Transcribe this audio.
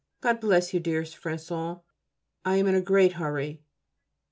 God bless you, dearest Françon. I am in a great hurry.